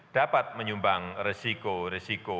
dapat menyumbang resiko resiko